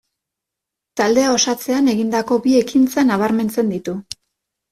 Taldea osatzean egindako bi ekintza nabarmentzen ditu.